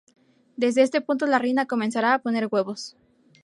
Desde este punto la reina comenzará a poner huevos.